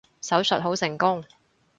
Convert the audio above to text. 手術好成功